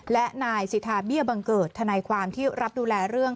และนายสิทธาเบี้ยบังเกิดทนายความที่รับดูแลเรื่อง